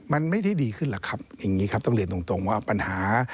มันไม่ได้ดีขึ้นหรอกครับต้องเรียนตรงว่าปัญหา